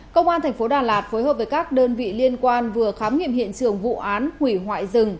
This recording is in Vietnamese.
công an thành phố đà lạt phối hợp với các đơn vị liên quan vừa khám nghiệm hiện trường vụ án hủy hoại rừng